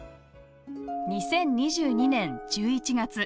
２０２２年１１月。